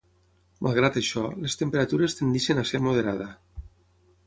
Malgrat això, les temperatures tendeixen a ser moderada.